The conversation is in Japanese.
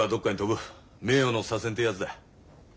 名誉の左遷ってやつだ。